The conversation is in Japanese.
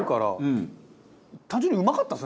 うまかった！